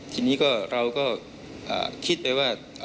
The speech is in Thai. ทีนี้ก็เราก็คิดไปว่า